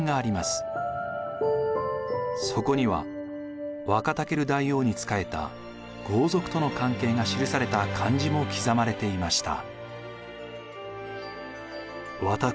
そこにはワカタケル大王に仕えた豪族との関係が記された漢字も刻まれていました。